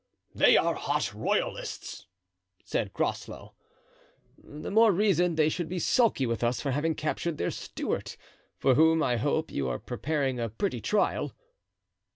"They are hot royalists," said Groslow. "The more reason they should be sulky with us for having captured the Stuart, for whom, I hope, you're preparing a pretty trial."